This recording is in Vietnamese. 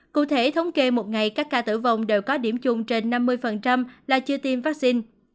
cụ thể thống kê một ngày các ca tử vong đều có điểm chung trên năm mươi là chưa tiêm vaccine